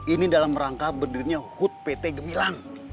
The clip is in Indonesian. ini dalam rangka berdirinya hood pt gemilang